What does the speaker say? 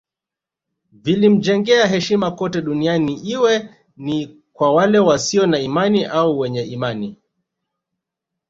Vilimjengea heshima kote duniani iwe ni kwa wale wasio na imani au wenye imani